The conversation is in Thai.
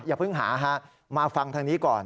อย่าเพิ่งหาฮะมาฟังทางนี้ก่อน